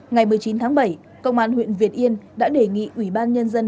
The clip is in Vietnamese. ngày một mươi chín tháng bảy công an huyện việt yên đã đề nghị ủy ban nhân dân